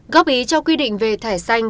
góp ý cho quy định về thẻ xanh